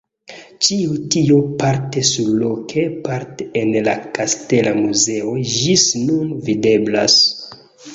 Ĉio tio parte surloke parte en la Kastela muzeo ĝis nun videblas.